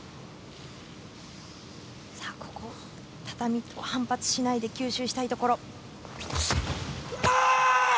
ここ、畳反発しないで吸収したいところ。